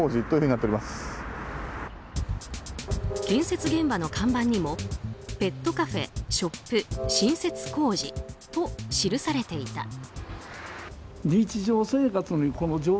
建設現場の看板にもペットカフェ・ショップ新設工事と記されていた。